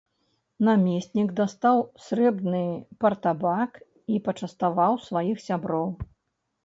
Намеснік дастаў срэбны партабак і пачаставаў сваіх сяброў.